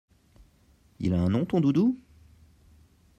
Il a un nom ton doudou?